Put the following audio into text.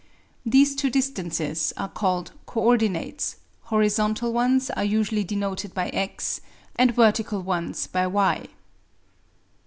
These two distances are called co ordinates; horizontal ones are usually denoted by x, and vertical ones by y.